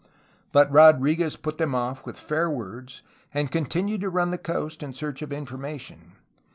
But Rodrfguez put them off with fair words, and continued to run the coast in search of information.